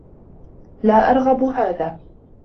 لا أرغب هذا.